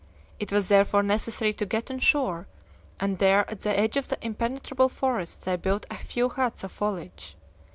It was therefore necessary to get on shore, and there at the edge of the impenetrable forest they built a few huts of foliage.